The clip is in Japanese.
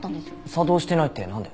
作動してないってなんで？